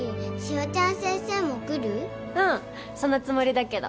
そのつもりだけど。